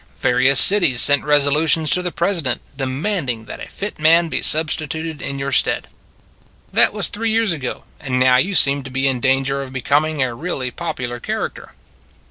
Various cities sent resolutions to the President demanding that a fit man be substituted in your stead. That was three years ago and now you seem to be in danger of becoming a really popular character."